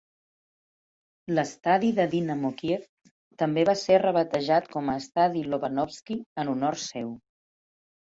L'estadi de Dynamo Kyiv també va ser rebatejat com a Estadi Lobanovsky en honor seu.